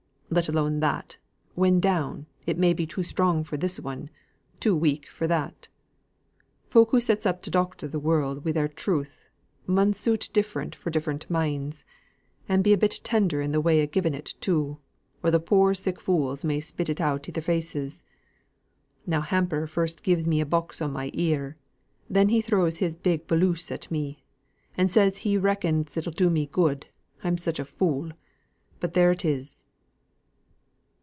Let alone that, when down, it may be too strong for this one, too weak for that. Folk who sets up to doctor th' world wi' their truth, mun suit different for different minds; and be a bit tender i' th' way of giving it too, or the poor sick fools may spit it out i' their faces. Now Hamper first gi'es me a box on my ear, and then he throws his big bolus at me, and says he reckons it'll do me no good, I'm such a fool, but there it is."